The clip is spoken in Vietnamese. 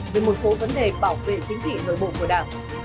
về một số vấn đề bảo vệ chính trị nội bộ của đảng